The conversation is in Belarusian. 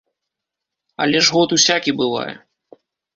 Але ж год усякі бывае.